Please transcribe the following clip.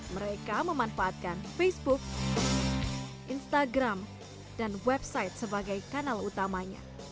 mereka memanfaatkan facebook instagram dan website sebagai kanal utamanya